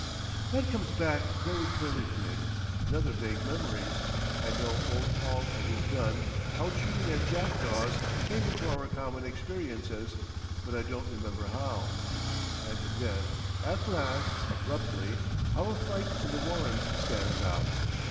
That comes back very clearly to me, and other vague memories—I know old Hall and his gun, out shooting at jackdaws, came into our common experiences, but I don't remember how; and then at last, abruptly, our fight in the Warren stands out.